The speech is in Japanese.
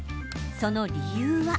その理由は。